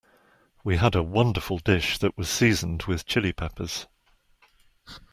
We had a wonderful dish that was seasoned with Chili Peppers.